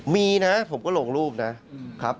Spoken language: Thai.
มีนะผมก็ลงรูปนะครับ